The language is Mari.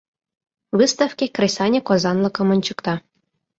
Выставке кресаньык озанлыкым ончыкта.